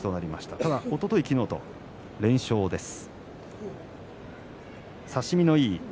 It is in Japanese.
ただ、おととい昨日と連勝です。